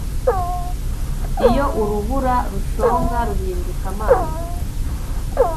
Iyo urubura rushonga ruhinduka amazi